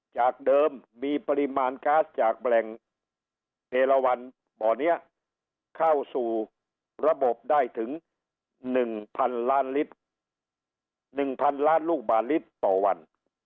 จากเดิมมีปริมาณก๊าซจากแหล่งเอราวันบ่อนี้เข้าสู่ระบบได้ถึง๑๐๐๐ล้านลิตร๑๐๐๐ล้านลูกบาทลิตรต่อวัน